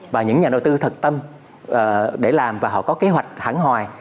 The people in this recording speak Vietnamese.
và những nhà đầu tư thực tâm để làm và họ có kế hoạch hẳn hoài